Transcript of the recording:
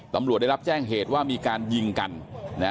ตำรวจได้รับแจ้งเหตุว่ามีการยิงกัน